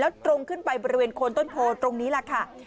แล้วตรงขึ้นไปบริเวณโคนต้นโพตรงนี้แหละค่ะ